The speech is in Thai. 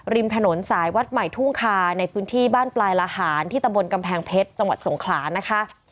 ริมถนนสายวัดใหม่ทุ่งคาในพื้นที่บ้านปลายละหารที่ตำบลกำแพงเพชรจังหวัดสงขลานะคะ